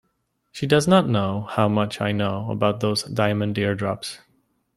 She does not know how much I know about those diamond eardrops.